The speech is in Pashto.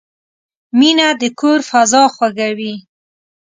مینه د کور فضا خوږوي.